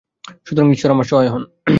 সুতরাং, ঈশ্বর আমার সহায় হউন।